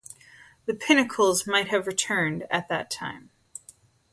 The pinnacles might have returned at that time.